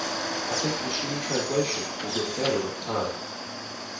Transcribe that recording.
I think Machine Translation will get better with time.